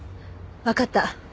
わかった。